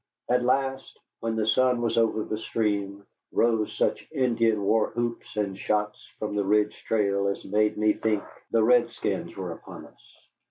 At last, when the sun was over the stream, rose such Indian war whoops and shots from the ridge trail as made me think the redskins were upon us.